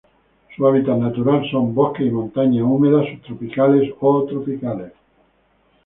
Su hábitat natural son: bosques y montañas húmedas subtropicales o tropicales.